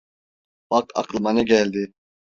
Bak aklıma ne geldi.